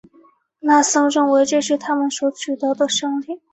拉森认为这是他们所取得的胜利。